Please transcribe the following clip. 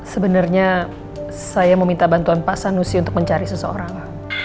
sebenarnya saya meminta bantuan pak sanusi untuk mencari seseorang